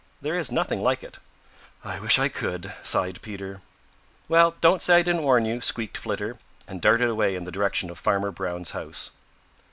There is nothing like it." "I wish I could," sighed Peter. "Well, don't say I didn't warn you," squeaked Flitter, and darted away in the direction of Farmer Brown's house.